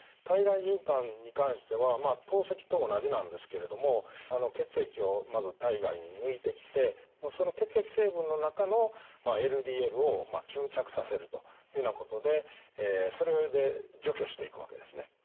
体外循環に関しては透析と同じなんですけれども血液をまず体外に抜いてきてその血液成分の中のＬＤＬを吸着させるというようなことでそれで除去していくわけですね。